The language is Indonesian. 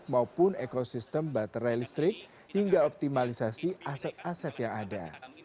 maupun ekosistem baterai listrik hingga optimalisasi aset aset yang ada